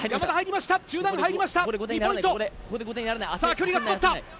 距離が詰まった。